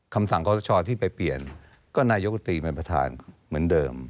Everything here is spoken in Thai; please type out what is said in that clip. คำสั่งขอสชที่ไปเปลี่ยนก็นายกตรีเป็นประธานเหมือนเดิม